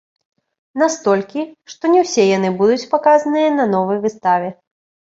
Настолькі, што не ўсе яны будуць паказаныя на новай выставе.